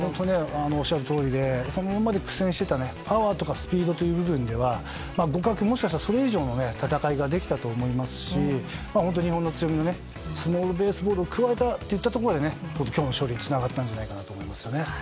おっしゃるとおりで苦戦していたパワーとかスピードという部分では互角もしかしたらそれ以上の戦いができたと思いますし本当に日本の強みのスモールベースボールを加えたところまで今日の勝利につながったと思いますね。